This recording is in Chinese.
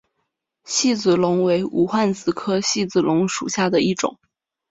细子龙为无患子科细子龙属下的一个种。